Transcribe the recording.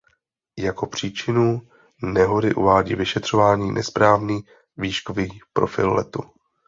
Jako příčinu nehody uvádí vyšetřování nesprávný výškový profil letu.